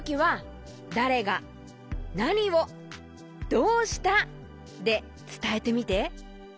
「どうした」でつたえてみて。